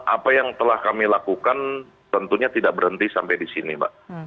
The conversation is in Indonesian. apa yang telah kami lakukan tentunya tidak berhenti sampai di sini mbak